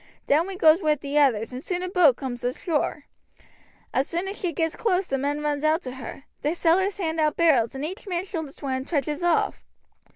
Down we goes wi' the others, and soon a boat cooms ashore. As soon as she gets close the men runs out to her; the sailors hands out barrels and each man shoulders one and trudges off.